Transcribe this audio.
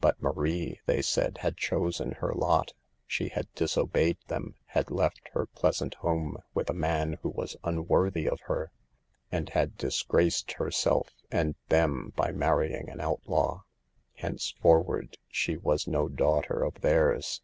But Marie, they said, had chosen her lot. She had disobeyed them, had left her pleasant home with a man who was unworthy of her, and had disgraced herself and them by marrying an outlaw. Henceforward she was no daughter of theirs.